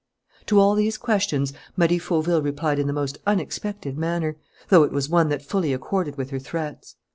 To all these questions Marie Fauville replied in the most unexpected manner, though it was one that fully accorded with her threats.